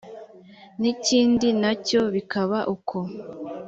n’ikindi nacyo bikaba uko